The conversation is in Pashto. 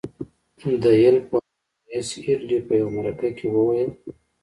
د يل پوهنتون رييس هيډلي په يوه مرکه کې وويل.